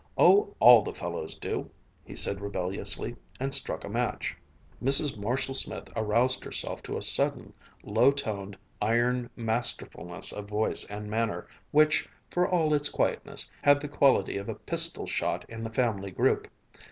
"Oh, all the fellows do," he said rebelliously, and struck a match. Mrs. Marshall Smith aroused herself to a sudden, low toned, iron masterfulness of voice and manner which, for all its quietness, had the quality of a pistol shot in the family group.